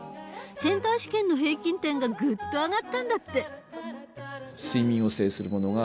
センター試験の平均点がぐっと上がったんだって。